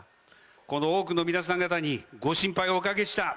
この多くの皆さん方にご心配をおかけした。